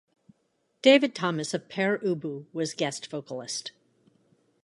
David Thomas of Pere Ubu was guest vocalist.